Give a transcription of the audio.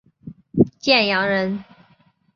建阳人。